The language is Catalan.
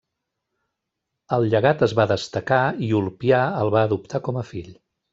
El llegat es va destacar i Ulpià el va adoptar com a fill.